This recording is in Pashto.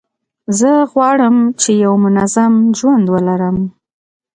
زه غواړم چي یو منظم ژوند ولرم.